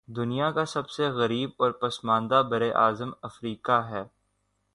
دنیا کا سب سے غریب اور پسماندہ براعظم افریقہ ہے